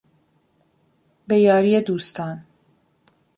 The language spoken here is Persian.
به یاری دوستان